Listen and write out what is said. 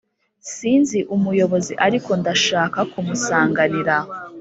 sinzi umuyobozi ariko ndashaka kumusanganira.